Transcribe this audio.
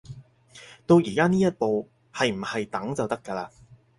到而家呢一步，係唔係等就得㗎喇